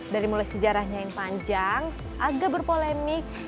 dari mulai sejarahnya yang panjang agak berpolemik